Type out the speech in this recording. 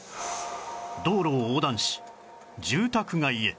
道路を横断し住宅街へ